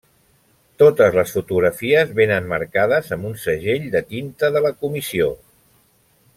Totes les fotografies vénen marcades amb un segell de tinta de la Comissió.